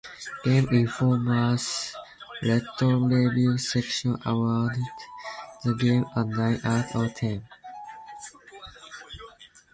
"Game Informer"'s retro review section awarded the game a nine out of ten.